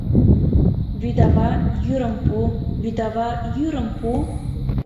Вӱдава, йӱрым пу, Вӱдава, йӱрым пу!